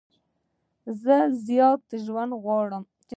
زه زیات ژوند نه غواړم.